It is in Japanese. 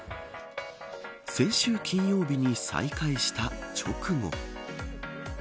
先週金曜日に再開した直後。